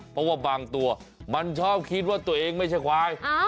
เพราะว่าบางตัวมันชอบคิดว่าตัวเองไม่ใช่ควาย